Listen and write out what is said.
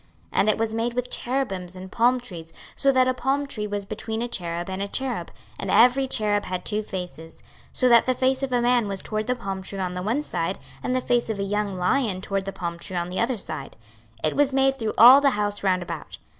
26:041:018 And it was made with cherubims and palm trees, so that a palm tree was between a cherub and a cherub; and every cherub had two faces; 26:041:019 So that the face of a man was toward the palm tree on the one side, and the face of a young lion toward the palm tree on the other side: it was made through all the house round about.